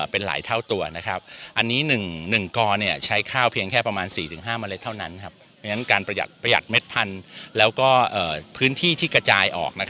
ประหยัดเม็ดพันธุ์และพื้นที่ที่กระจายออก